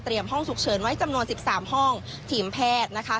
ห้องฉุกเฉินไว้จำนวนสิบสามห้องทีมแพทย์นะคะ